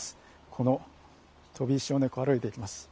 この飛び石を歩いていきます。